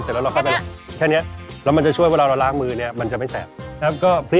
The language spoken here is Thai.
เซฟแล้วพริกล่ะพริกที่นี้พริกปกติเวลาหันมันจะแสบมือ